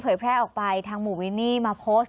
แพร่ออกไปทางหมู่วินนี่มาโพสต์